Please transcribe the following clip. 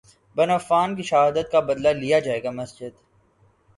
بن عفان کی شہادت کا بدلہ لیا جائے گا مسجد